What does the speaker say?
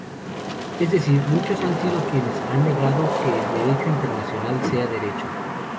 Es decir, muchos han sido quienes han negado que el derecho internacional sea derecho.